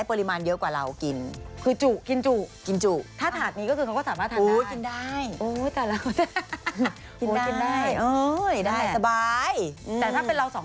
พี่เคยไปเอาตังทีมงานขอขอบคุณพี่ทีมงาน